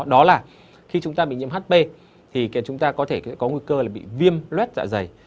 đó là khi chúng ta bị nhiễm hp thì chúng ta có nguy cơ bị viêm luet dạ dày